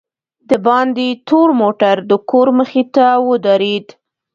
دباندې تور موټر دکور مخې ته ودرېد.